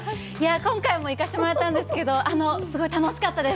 今回も行かせてもらったんですけど、すごい楽しかったです！